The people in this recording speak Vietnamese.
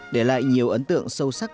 để lại nhiều ấn tượng sâu sắc